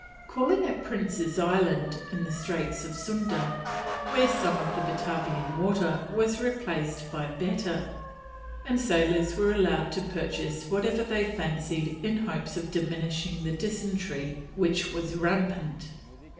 Calling at Prince's Island in the straits of Sunda, where some of the Batavian water was replaced by better, the sailors were allowed to purchase whatever they fancied in hopes of diminishing the dysentery which was rampant.